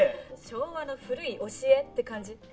昭和の古い教えって感じ。